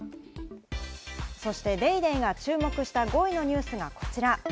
そして『ＤａｙＤａｙ．』が注目した５位のニュースがこちら。